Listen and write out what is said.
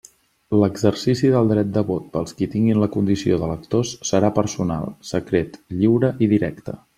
L'exercici del dret de vot pels qui tinguin la condició d'electors serà personal, secret, lliure i directe.